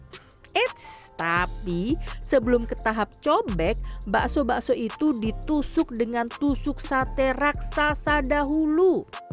eits tapi sebelum ke tahap cobek bakso bakso itu ditusuk dengan tusuk sate raksasa dahulu